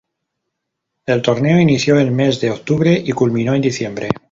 El torneo inició el mes de octubre y culminó en diciembre.